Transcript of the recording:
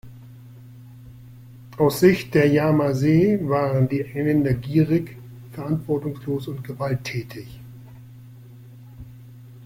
Aus der Sicht der Yamasee waren die Engländer gierig, verantwortungslos und gewalttätig.